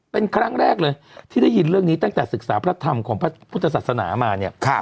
เป็นครั้งแรกเลยที่ได้ยินเรื่องนี้ตั้งแต่ศึกษาพระธรรมของพระพุทธศาสนามาเนี่ย